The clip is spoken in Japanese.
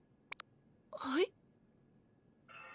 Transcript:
はい？